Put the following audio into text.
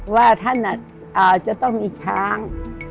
ว่าท่านจะต้องมีช้าง